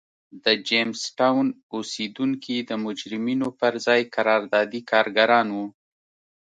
د جېمز ټاون اوسېدونکي د مجرمینو پر ځای قراردادي کارګران وو.